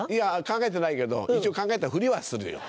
考えてないけど一応考えたふりはするよ。